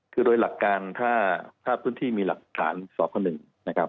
คือโดยหลักการถ้าพื้นที่มีหลักฐานสอบข้อหนึ่ง